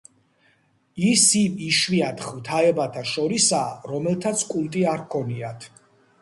ის იმ იშვიათ ღვთაებათა შორისაა, რომელთაც კულტი არ ჰქონიათ.